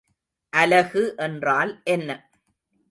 அலகு என்றால் என்ன?